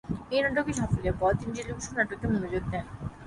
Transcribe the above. এই নাটকের সাফল্যের পর তিনি টেলিভিশন নাটকে মনোযোগ দেন।